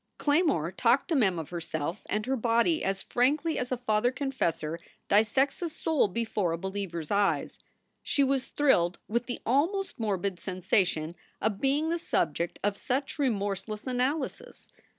Claymore talked to Mem of herself and her body as frankly as a father confessor dissects a soul before a believer s eyes. She was thrilled with the almost morbid sensation of being the subject of such remorseless analysis.